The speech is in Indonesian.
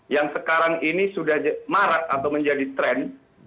yang sekarang ini sudah marak atau menjadi tren